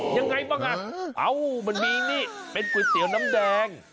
ยังไงบ้างอ่ะเอ้ามันมีนี่เป็นก๋วยเตี๋ยวน้ำแดง